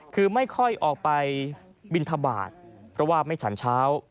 คือไม่ค่อยออกไปบินทบาทเพราะว่าไม่ฉันเช้า